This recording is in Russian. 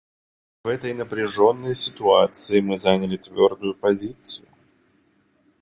В этой напряженной ситуации мы заняли твердую позицию.